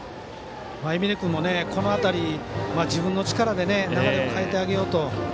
海老根君もこの辺り自分の力で流れを変えてあげようと。